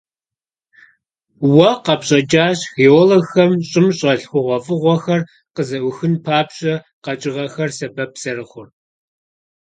Уэ къэпщӀакӀэщ, геологхэм щӀым щӀэлъ хъугъуэфӀыгъуэхэр къызэӀуахын папщӀэ, къэкӀыгъэхэр сэбэп зэрыхъур.